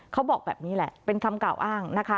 เขาบอกแบบนี้แหละเป็นคำกล่าวอ้างนะคะ